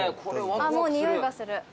あっもう匂いがする。